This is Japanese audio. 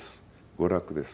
娯楽です。